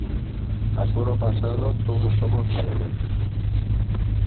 A toro pasado todos somos Manolete.